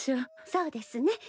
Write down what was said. そうですね。